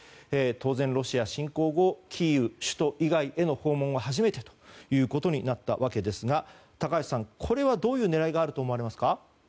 当然、ロシア侵攻後首都キーウ以外への訪問は初めてとなったわけですが高橋さん、これはどういう狙いがあると思われますか。